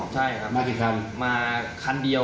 ชูให้ของลับมาเลย